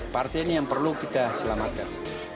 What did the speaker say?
partai ini yang perlu kita selamatkan